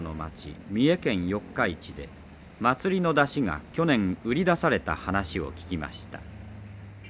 三重県四日市で祭りの山車が去年売り出された話を聞きました。